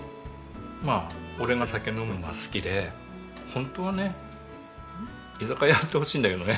まあ俺が酒飲むのが好きでホントはね居酒屋やってほしいんだけどね。